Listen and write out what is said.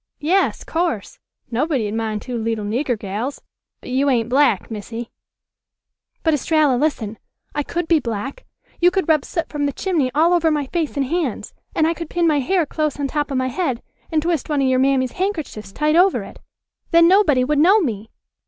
"Yas, course; nobody'd mind two leetle nigger gals. But you ain't black, Missy." "But, Estralla, listen. I could be black. You could rub soot from the chimney all over my face and hands. And I could pin my hair close on top of my head and twist one of your mammy's handkerchiefs tight over it. Then nobody would know me."